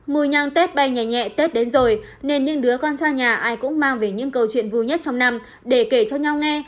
mùi nhang tết bay nhà nhẹ tết đến rồi nên những đứa con xa nhà ai cũng mang về những câu chuyện vui nhất trong năm để kể cho nhau nghe